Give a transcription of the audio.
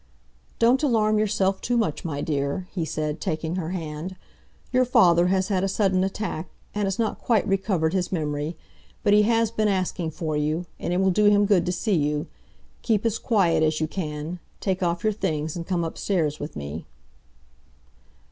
"Don't alarm yourself too much, my dear," he said, taking her hand. "Your father has had a sudden attack, and has not quite recovered his memory. But he has been asking for you, and it will do him good to see you. Keep as quiet as you can; take off your things, and come upstairs with me."